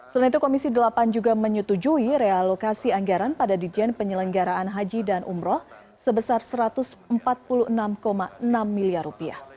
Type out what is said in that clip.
selain itu komisi delapan juga menyetujui realokasi anggaran pada dijen penyelenggaraan haji dan umroh sebesar rp satu ratus empat puluh enam enam miliar